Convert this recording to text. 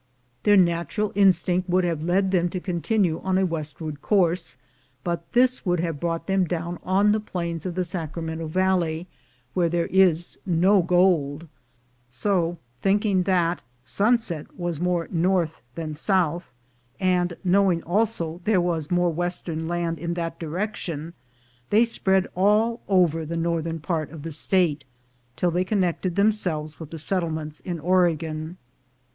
Their natural instinct would have led them to continue on a westward course, but this would have brought them down on the plains of the Sacramento Valley, where there is no gold; so, thinking that sunset was more north than south, and knowing also there was more western land in that direction, they spread all over the northern part of the State, till they connected themselves with the settle ments in Oregon.